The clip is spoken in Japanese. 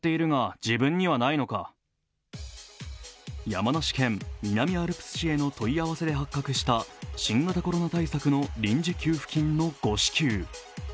山梨県南アルプス市への問い合わせで発覚した新型コロナ対策の臨時給付金の誤支給。